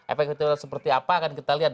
efektivitas seperti apa akan kita lihat